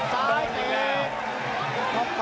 ซ้ายเกรง